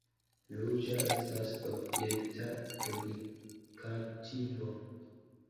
Ruĝa estas objekta predikativo.